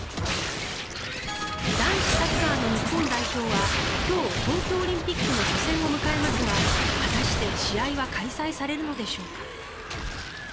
男子サッカーの日本代表は今日、東京オリンピックの初戦を迎えますが果たして試合は開催されるのでしょうか。